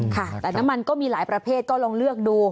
ค่ะแต่น้ำมันก็มีหลายประเภทก็ลองเลือกดู